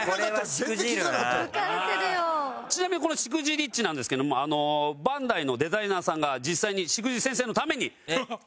ちなみにこのしくじりっちなんですけどもバンダイのデザイナーさんが実際に『しくじり先生』のために描いてくれたイラストです。